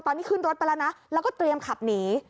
ตอนนี้ขึ้นรถไปแล้วนะแล้วก็เตรียมขับหนี